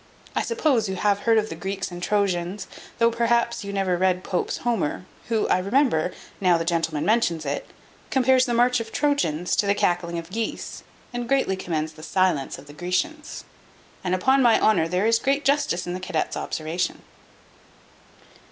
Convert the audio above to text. "I suppose you have heard of the Greeks and Trojans, though perhaps you never read Pope's Homer; who, I remember, now the gentleman mentions it, compares the march of the Trojans to the cackling of geese, and greatly commends the silence of the Grecians. And upon my honour there is great justice in the cadet's observation."